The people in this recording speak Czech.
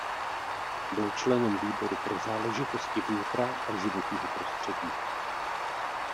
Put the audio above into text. Byl členem výboru pro záležitosti vnitra a životního prostředí.